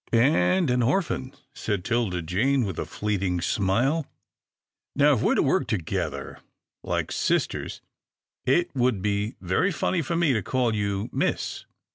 " And an orphan," said 'Tilda Jane with a fleeting smile. " Now if we're to work together like sis ters, it would be very funny for me to call you ' Miss.'